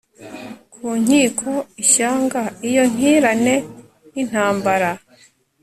ku nkiko ishyanga iyo nkiranye nintambara